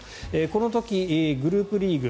この時グループリーグ